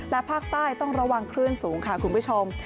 และภาคใต้ต้องระวังคลื่นสูงค่ะคุณผู้ชม